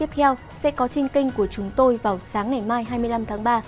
tiếp theo sẽ có trên kênh của chúng tôi vào sáng ngày mai hai mươi năm tháng ba